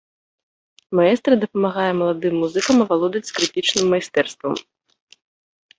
Маэстра дапамагае маладым музыкам авалодаць скрыпічным майстэрствам.